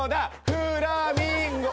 「フラミンゴ」